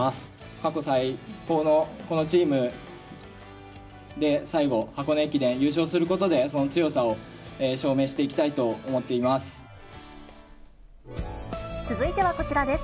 過去最高のこのチームで、最後、箱根駅伝優勝することで、その強さを証明していきたいと思続いてはこちらです。